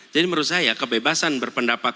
jadi menurut saya kebebasan berpendapat